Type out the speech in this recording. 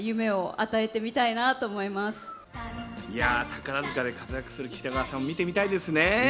宝塚で活躍する北川さんも見てみたいですね。